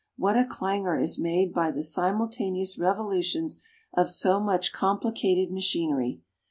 What a clangor is made by the simultaneous revolutions of so much complicated machinery!